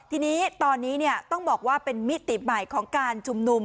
ทีนี้ตอนนี้ต้องบอกว่าเป็นมิติใหม่ของการชุมนุม